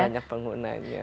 paling banyak penggunanya betul